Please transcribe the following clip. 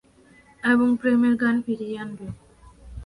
এবং প্রেমের গান ফিরিয়ে আনবে।